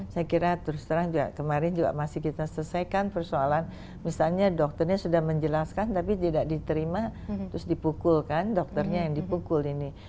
saya kira terus terang juga kemarin juga masih kita selesaikan persoalan misalnya dokternya sudah menjelaskan tapi tidak diterima terus dipukulkan dokternya yang dipukul ini